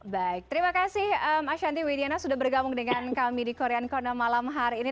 baik terima kasih ashanti widiana sudah bergabung dengan kami di korean corner malam hari ini